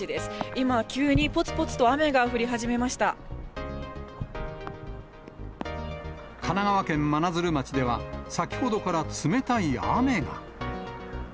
今、急にぽつぽつと雨が降り始め神奈川県真鶴町では、先ほどから冷たい雨が。